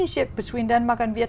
không thể làm việc